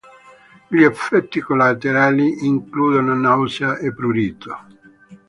Gli effetti collaterali includono nausea e prurito.